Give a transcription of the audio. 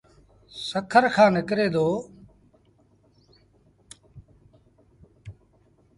سکر کآݩ نڪري دو۔